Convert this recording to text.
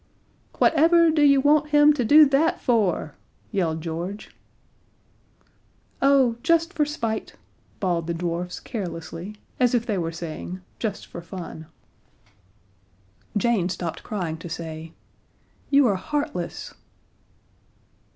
"WHATEVER DO YOU WANT HIM TO DO THAT FOR?" yelled George. "Oh just for spite," bawled the dwarfs carelessly as if they were saying, "Just for fun." Jane stopped crying to say: "You are heartless."